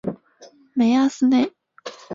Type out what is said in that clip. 梅阿斯内。